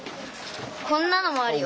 こんなのもあるよ。